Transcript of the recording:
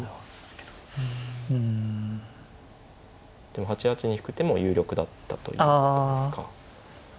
でも８八に引く手も有力だったということですか。